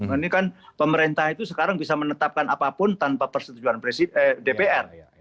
ini kan pemerintah itu sekarang bisa menetapkan apapun tanpa persetujuan dpr